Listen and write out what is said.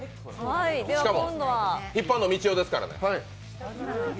しかも引っ張るの、みちおですからね。